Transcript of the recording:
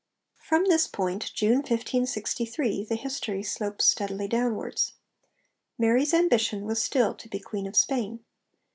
From this point June 1563 the history slopes steadily downwards. Mary's ambition was still to be Queen of Spain.